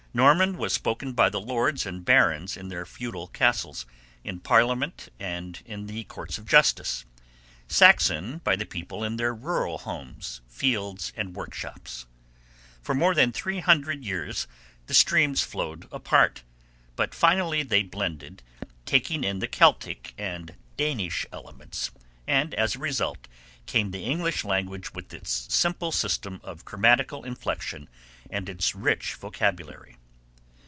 Norman was spoken by the lords and barons in their feudal castles, in parliament and in the courts of justice. Saxon by the people in their rural homes, fields and workshops. For more than three hundred years the streams flowed apart, but finally they blended, taking in the Celtic and Danish elements, and as a result came the present English language with its simple system of grammatical inflection and its rich vocabulary.